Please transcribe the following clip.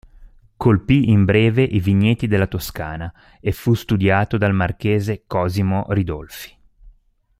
Colpì in breve i vigneti della Toscana e fu studiato dal marchese Cosimo Ridolfi.